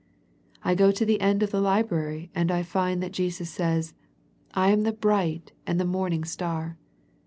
I go to the end of the Library, and I find that Jesus says, " I am the bright and the Morning Star."